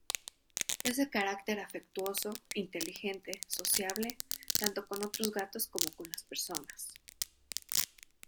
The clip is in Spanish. Es de carácter afectuoso, inteligente, sociable, tanto con otros gatos como con las personas.